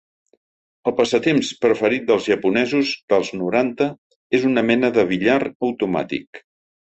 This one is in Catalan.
El passatemps preferit dels japonesos dels noranta és una mena de billar automàtic.